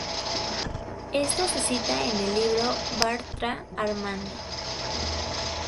Esto se cita en el libro Bartra, Armando.